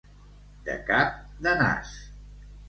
De cap de nas.